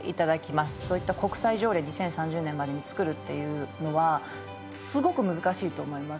そういった国際条例を２０３０年までにつくるっていうのはすごく難しいと思います。